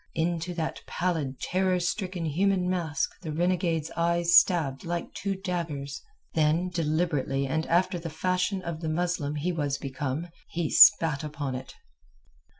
Into that pallid terror stricken human mask the renegade's eyes stabbed like two daggers. Then deliberately and after the fashion of the Muslim he was become he spat upon it.